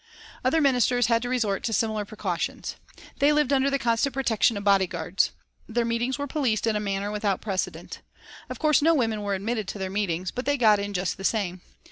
The other ministers had to resort to similar precautions. They lived under the constant protection of body guards. Their meetings were policed in a manner without precedent. Of course no women were admitted to their meetings, but they got in just the same.